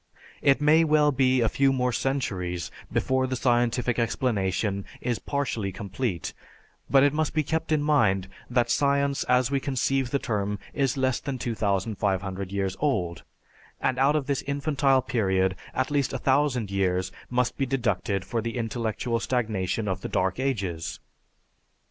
It may well be a few more centuries before the scientific explanation is partially complete, but it must be kept in mind that science as we conceive the term is less than 2500 years old, and out of this infantile period, at least 1000 years must be deducted for the intellectual stagnation of the dark ages.